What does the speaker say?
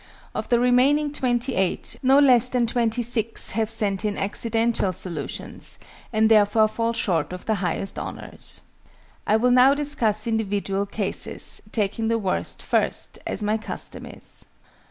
Of the remaining 28, no less than 26 have sent in accidental solutions, and therefore fall short of the highest honours. I will now discuss individual cases, taking the worst first, as my custom is.